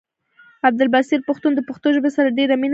عبدالبصير پښتون د پښتو ژبې سره ډيره مينه لري